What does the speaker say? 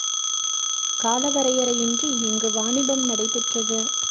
கால வரையறை இன்றி இங்கு வாணிபம் நடைபெற்றது.